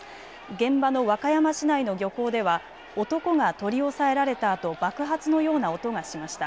現場の和歌山市内の漁港では男が取り押さえられたあと爆発のような音がしました。